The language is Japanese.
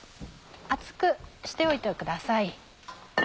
熱くしておいてください。